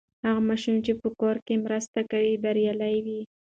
هغه ماشوم چې په کور کې مرسته کوي، بریالی وي.